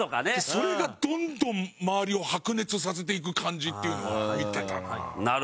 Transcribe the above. それがどんどん周りを白熱させていく感じっていうのは見てたな。